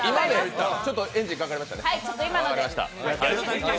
ちょっとエンジンかかりましたね。